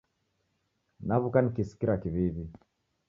Naw'uka nikisikira kiw'iw'i